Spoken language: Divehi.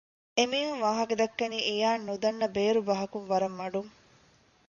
އެމީހުން ވާހަކަދައްކަނީ އިޔާން ނުދަންނަ ބޭރު ބަހަކުން ވަރަށް މަޑުން